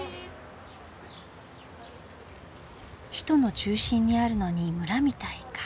「首都の中心にあるのに村みたい」か。